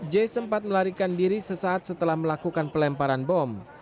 j sempat melarikan diri sesaat setelah melakukan pelemparan bom